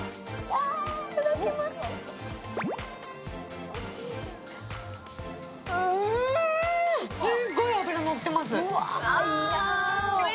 いただきます。